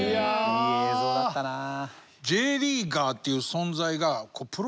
いい映像だったなあ。